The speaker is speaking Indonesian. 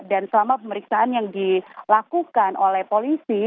dan selama pemeriksaan yang dilakukan oleh polisi